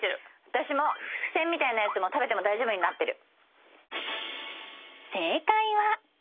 私も付箋みたいなやつも食べても大丈夫になってる。